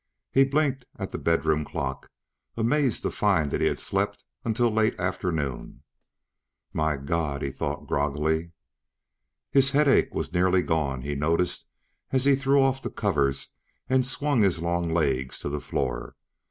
He blinked at the bedroom clock, amazed to find that he had slept until late afternoon. My God, he thought groggily. His headache was nearly gone, he noticed as he threw off the covers and swung his long legs to the floor.